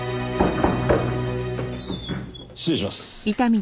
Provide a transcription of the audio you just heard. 失礼します。